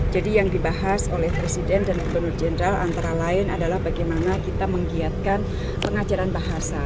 yang dibahas oleh presiden dan gubernur jenderal antara lain adalah bagaimana kita menggiatkan pengajaran bahasa